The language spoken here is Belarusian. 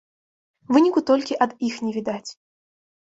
Выніку толькі ад іх не відаць.